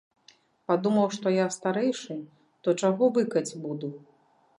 Падумаў, што я старэйшы, то чаго выкаць буду.